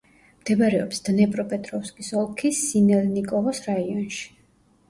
მდებარეობს დნეპროპეტროვსკის ოლქის სინელნიკოვოს რაიონში.